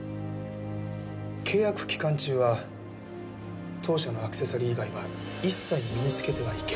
「契約期間中は当社のアクセサリー以外は一切身に付けてはいけない」